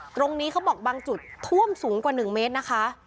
เขาบอกบางจุดท่วมสูงกว่า๑เมตรนะคะ